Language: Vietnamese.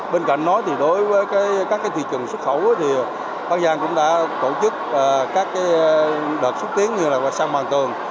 bên cạnh đó đối với các thị trường xuất khẩu bắc giang cũng đã tổ chức các đợt xúc tiến như là sang hoàng tường